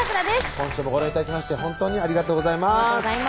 今週もご覧頂きまして本当にありがとうございます